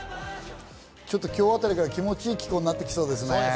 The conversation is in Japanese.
今日あたりから気持ち良い気候になってきそうですね。